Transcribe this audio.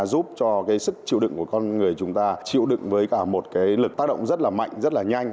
giúp cho cái sức chịu đựng của con người chúng ta chịu đựng với cả một cái lực tác động rất là mạnh rất là nhanh